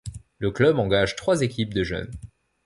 Le club engage trois équipes de jeunes.